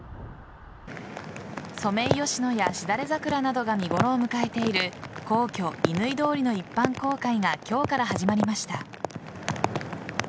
ソメイヨシノやシダレザクラなどが見頃を迎えている皇居・乾通りの一般公開が今日から始まりました。